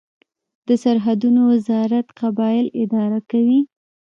د سرحدونو وزارت قبایل اداره کوي